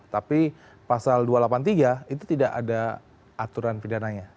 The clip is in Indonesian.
tapi pasal dua ratus delapan puluh tiga itu tidak ada aturan pidananya